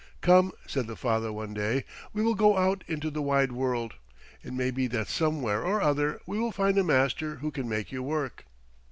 "Come," said the father one day, "we will go out into the wide world. It may be that somewhere or other we will find a master who can make you work."